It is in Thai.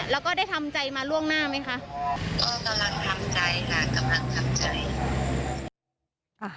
แล้วก็ได้ทำใจมาล่วงหน้าไหมคะ